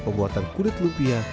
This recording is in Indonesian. pembuatan kulit lumpia